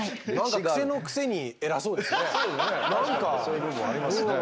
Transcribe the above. そういう部分ありますね。